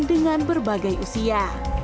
dengan berbagai usia